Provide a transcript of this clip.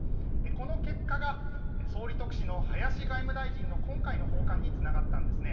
この結果が、総理特使の林外務大臣の今回の訪韓につながったんです。